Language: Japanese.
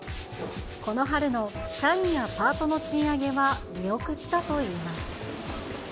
この春の社員やパートの賃上げは見送ったといいます。